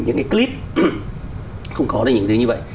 những cái clip không có được những thứ như vậy